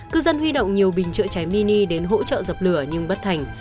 cư dân huy động nhiều bình chữa cháy mini đến hỗ trợ dập lửa nhưng bất thành